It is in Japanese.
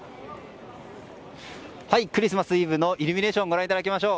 クリスマスイブのイルミネーションをご覧いただきましょう。